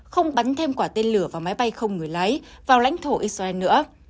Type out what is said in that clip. không bắn thêm quả tên lửa và máy bay không người lái vào lãnh thổ israel nữa